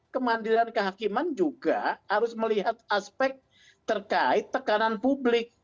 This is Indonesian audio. kemandiran kehakiman juga harus melihat aspek terkait tekanan publik